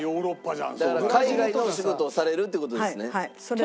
だから海外のお仕事をされるって事ですね。